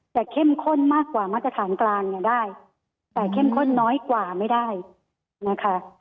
เข้มข้นมากกว่ามาตรฐานกลางเนี่ยได้แต่เข้มข้นน้อยกว่าไม่ได้นะคะ